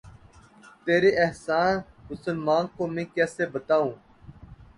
تیرے احسان مسلماں کو میں کیسے بتاؤں